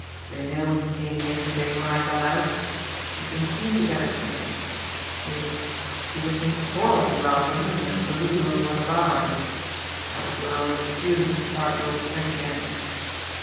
They know he came here to day when I got out. We've been seen together to day. We we were seen quarrelling this afternoon in a saloon over on the Bowery. That was when I was refusin' to start the old play again.